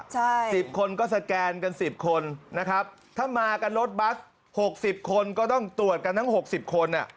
ใช่สิบคนก็สแกนกันสิบคนนะครับถ้ามากันรถบัสหกสิบคนก็ต้องตรวจกันทั้งหกสิบคนอ่ะ